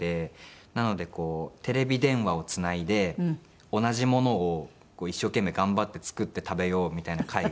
なのでテレビ電話をつないで同じものを一生懸命頑張って作って食べようみたいな会があって。